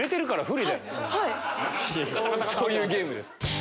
そういうゲームです。